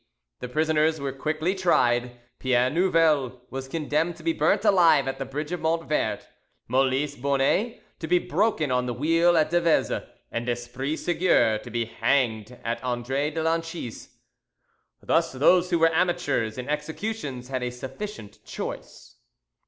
The prisoners were quickly tried. Pierre Nouvel was condemned to be burnt alive at the bridge of Montvert, Molise Bonnet to be broken on the wheel at Deveze, and Esprit Seguier to be hanged at Andre de Lancise. Thus those who were amateurs in executions had a sufficient choice.